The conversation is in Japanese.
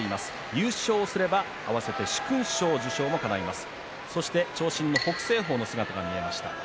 優勝すれば併せて殊勲賞受賞もかないます。